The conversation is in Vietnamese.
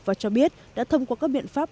và cho biết đã thông qua các biện pháp